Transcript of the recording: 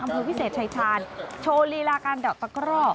อำเภอวิเศษชายชาญโชว์ลีลาการดักตะกร่อ